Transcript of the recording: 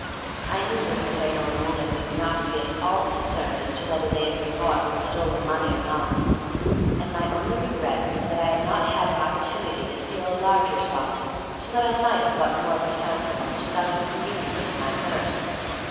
I knew the profane old woman would not be at all concerned as to whether they had been bought with stolen money or not, and my only regret was that I had not had an opportunity to steal a larger sum so that I might have bought more chrysanthemums without inconveniencing my purse.